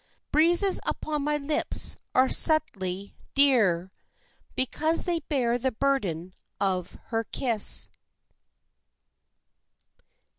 Breezes upon my lips are subtly dear, Because they bear the burden of her kiss.